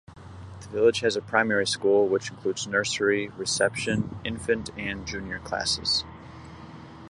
The village has a primary school which includes nursery, reception, infant and junior classes.